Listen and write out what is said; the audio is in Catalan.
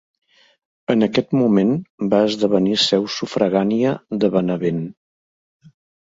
En aquest moment va esdevenir seu sufragània de Benevent.